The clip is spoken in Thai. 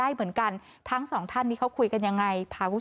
เห็นมันมีเพจปล่อยข่าวบอกมาว่าผลในลูกตาเนี่ย